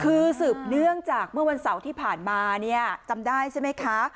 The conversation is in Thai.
คือสืบเนื่องจากเมื่อวันเสาร์ที่ผ่านมาเนี่ยจำได้ใช่ไหมคะ